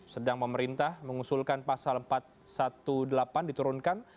sedang pemerintah mengusulkan pasal empat ratus delapan belas diturunkan